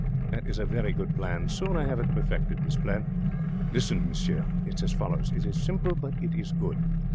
That is a very good plan. Soon I have it perfected, this plan. Listen, monsieur; it is as follows. It is simple, but it is good.